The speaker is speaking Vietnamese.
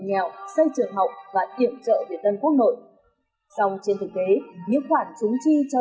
nghèo xây trường học và kiểm trợ việt tân quốc nội song trên thực tế những khoản chúng chi cho